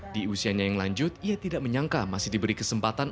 di usianya yang lanjut ia tidak menyangka masih diberi kesempatan